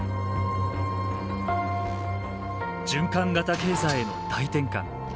循環型経済への大転換。